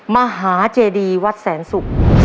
มหาเจดีวัดแสนศุกร์